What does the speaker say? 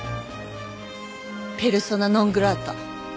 ペルソナ・ノン・グラータ。